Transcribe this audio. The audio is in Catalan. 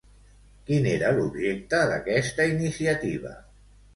Quin era l'objecte d'aquesta iniciativa?